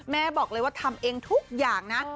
แม่บอกเลยว่าทำเองทุกอย่างนะ